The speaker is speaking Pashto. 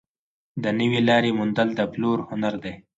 د نوې لارې موندل د پلور هنر دی.